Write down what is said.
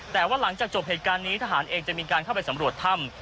แต่ว่าหลังจากจบเหตุการณ์นี้ทหารเองจะมีการเข้าไปสำรวจถ้ำ